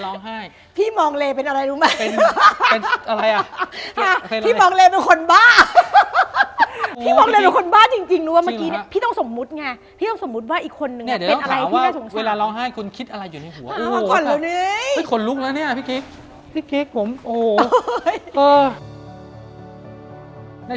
ซ้อนหน่อยซ้อนเบ้ปากหน่อย